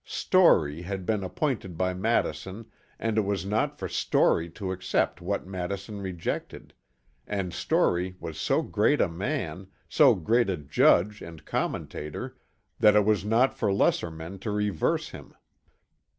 Story had been appointed by Madison and it was not for Story to accept what Madison rejected; and Story was so great a man, so great a judge and commentator, that it was not for lesser men to reverse him.